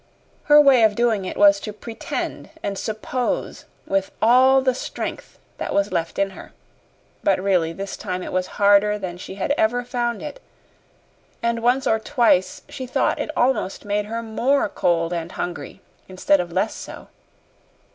Her way of doing it was to "pretend" and "suppose" with all the strength that was left in her. But really this time it was harder than she had ever found it, and once or twice she thought it almost made her more cold and hungry instead of less so.